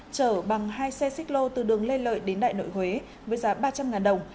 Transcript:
chở bằng hai xe xích lô từ đường lê lợi đến đại nội huế với giá ba trăm linh đồng